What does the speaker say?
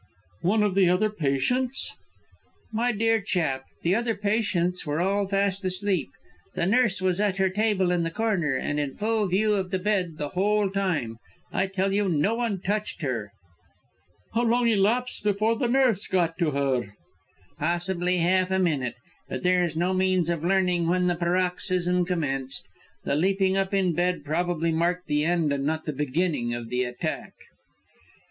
"One of the other patients " "My dear chap, the other patients were all fast asleep! The nurse was at her table in the corner, and in full view of the bed the whole time. I tell you no one touched her!" "How long elapsed before the nurse got to her?" "Possibly half a minute. But there is no means of learning when the paroxysm commenced. The leaping up in bed probably marked the end and not the beginning of the attack."